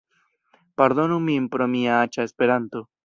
Pardonu min pro mia aĉa Esperanto